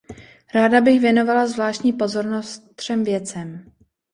Ráda bych věnovala zvláštní pozornost třem věcem.